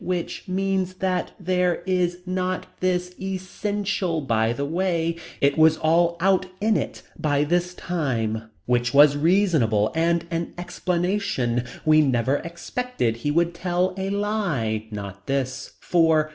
Which. Means. That. There Is. Not This Essential. By that way. It was all out in it. By this time. Which was reasonable and an explanation. We never expected he would tell a lie. Not this. For.